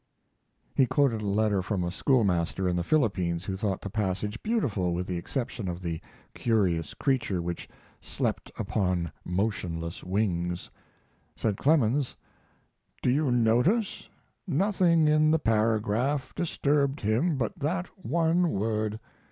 He quoted a letter from a schoolmaster in the Philippines who thought the passage beautiful with the exception of the curious creature which "slept upon motionless wings." Said Clemens: Do you notice? Nothing in the paragraph disturbed him but that one word.